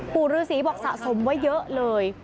ปู่ฤษีบอกสะสมไว้เยอะเลย